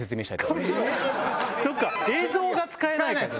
そっか映像が使えないから。